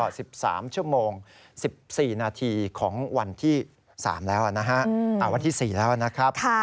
นี่ก็๑๓ชั่วโมง๑๔นาทีของวันที่๔แล้วนะครับ